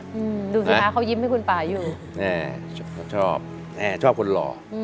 ดูสิคะเขายิ้มให้คุณป่าอยู่ชอบชอบคนหล่อ